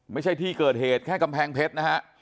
ไม่ใช่ที่เกิดเหตุแค่กำแพงเพชรนะฮะ